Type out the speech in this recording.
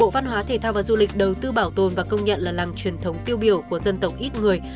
bộ văn hóa thể thao và du lịch đầu tư bảo tồn và công nhận là làng truyền thống tiêu biểu của dân tộc ít người